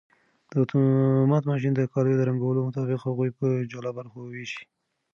دا اتومات ماشین د کالیو د رنګونو مطابق هغوی په جلا برخو ویشي.